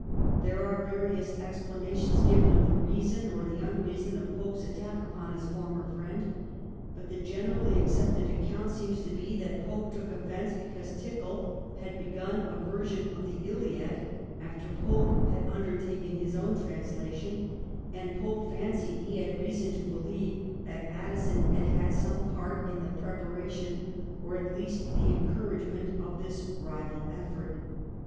There are various explanations given of the reason, or the unreason, of Pope's attack upon his former friend ; but the generally accepted account seems to be that Pope took offence because Tickell had begun a version of the ' Iliad ' after Pope had undertaken his own translation, and Pope fancied he had reason to beUeve that Addison had had some part in the preparation or at least the encouragement of this rival effort.